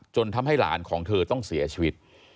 ทำให้หลานของเธอต้องเสียชีวิต